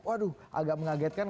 waduh agak mengagetkan